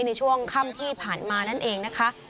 ในช่วงค่ำที่ผ่านมานั่นเองนะคะ